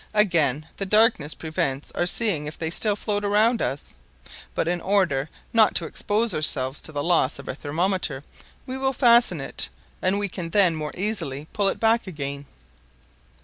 Again, the darkness prevents our seeing if they still float around us. But in order not to expose ourselves to the loss of our thermometer, we will fasten it, and we can then more easily pull it back again."